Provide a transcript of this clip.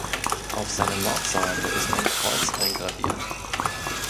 Auf seiner Nordseite ist ein Kreuz eingraviert.